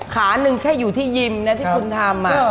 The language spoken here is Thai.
ขาหนึ่งแค่อยู่ที่ยิมนะที่คุณทำ